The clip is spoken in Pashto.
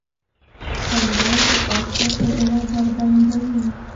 سندره د عاشق زړه بربنډوي